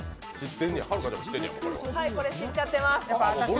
知っちゃってます。